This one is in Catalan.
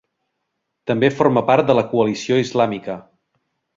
També forma part de la Coalició Islàmica.